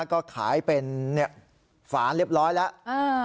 ก็ขายเป็นเนี่ยฝานเรียบร้อยแล้วเอ่อ